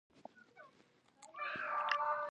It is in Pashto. انجنیری د ساینس او هنر یوه ګډه ټولګه ده.